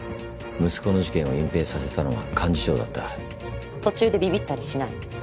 息子の事件を隠蔽させたのは幹事長だった途中でびびったりしない？